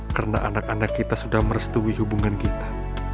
karena anak anak kita sudah merestui hubungan kita